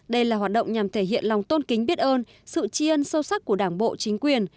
đây là hoạt động nhằm thể hiện lòng tôn kính biết ơn sự chi ân sâu sắc của đảng bộ chính quyền